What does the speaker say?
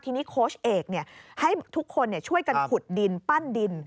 ทีนี้โค้ชเอกให้ทุกคนช่วยกันขุดดินปั้นดิน